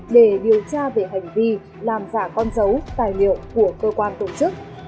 để điều tra về hành vi làm giả con dấu tài liệu của cơ quan tổ chức